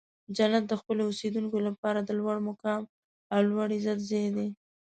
جنت د خپلو اوسیدونکو لپاره د لوړ مقام او لوړ عزت ځای دی.